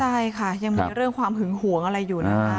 ใช่ค่ะยังมีเรื่องความหึงหวงอะไรอยู่นะคะ